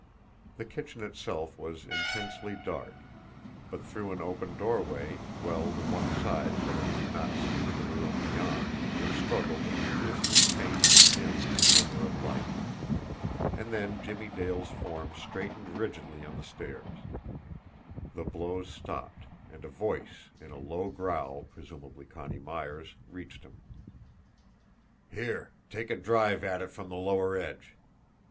The kitchen itself was intensely dark; but through an open doorway, well to one side so that he could not see into the room beyond, there struggled a curiously faint, dim glimmer of light. And then Jimmie Dale's form straightened rigidly on the stairs. The blows stopped, and a voice, in a low growl, presumably Connie Myers', reached him. "Here, take a drive at it from the lower edge!"